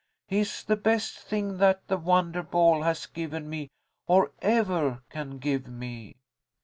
He is the best thing that the wonder ball has given me, or ever can give me.